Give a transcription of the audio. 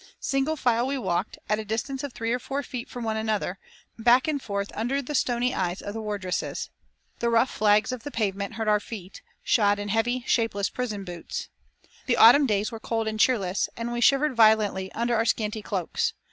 Single file we walked, at a distance of three or four feet from one another, back and forth under the stony eyes of the wardresses. The rough flags of the pavement hurt our feet, shod in heavy, shapeless prison boots. The autumn days were cold and cheerless, and we shivered violently under our scanty cloaks.